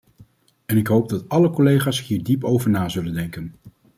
En ik hoop dat alle collega’s hier diep over na zullen denken.